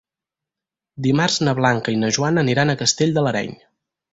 Dimarts na Blanca i na Joana aniran a Castell de l'Areny.